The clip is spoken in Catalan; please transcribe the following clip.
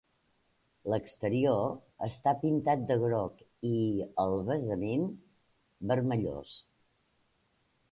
L'exterior està pintat de groc i, el basament, vermellós.